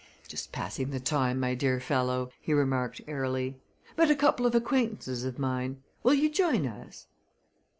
"Just passing the time, my dear fellow!" he remarked airily. "Met a couple of acquaintances of mine. Will you join us?"